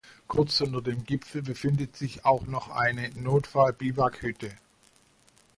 Kurz unter dem Gipfel befindet sich auch noch eine Notfall-Biwakhütte.